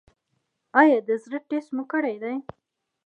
ایا د زړه ټسټ مو کړی دی؟